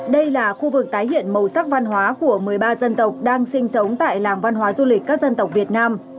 đây là khu vực tái hiện màu sắc văn hóa của một mươi ba dân tộc đang sinh sống tại làng văn hóa du lịch các dân tộc việt nam